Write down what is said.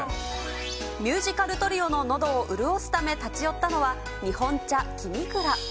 ミュージカルトリオののどを潤すため立ち寄ったのは、日本茶きみくら。